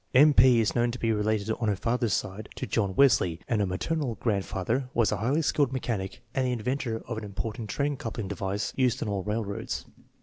M. P. is known to be related on her father's side to John Wesley, and her maternal grandfather was a highly skilled mechanic and the inventor of an important train coupling device used on all railroads.